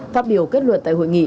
phát biểu kết luật tại hội nghị